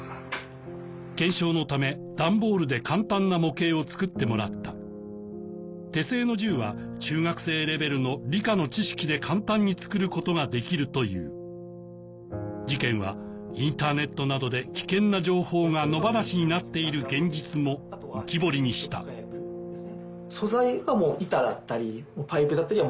検証のため段ボールで簡単な模型を作ってもらった手製の銃は中学生レベルの理科の知識で簡単に作ることができるという事件はインターネットなどで危険な情報が野放しになっている現実も浮き彫りにしたのでないんですね。